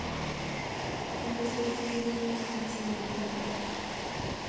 Empezó a escribir a los quince años.